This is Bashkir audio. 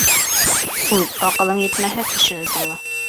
Үҙ аҡылың етмәһә, кешене тыңла.